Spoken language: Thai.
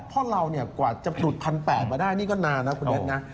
เพราะเราเนี่ยกว่าจะหลุด๑๘๐๐มาได้นี่ก็นานนะคุณเน็ตนะ